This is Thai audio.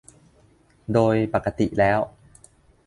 โดยปกติแล้ว